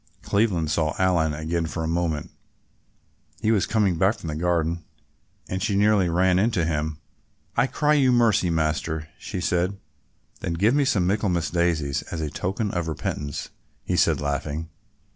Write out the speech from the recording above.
Cleveland saw Aline again for a moment. He was coming back from the garden and she nearly ran into him. "I cry you mercy, Master," she said. "Then give me some Michaelmas daisies as a token of repentance," he said laughing.